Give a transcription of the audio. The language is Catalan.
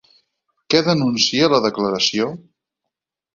Què denuncia la declaració?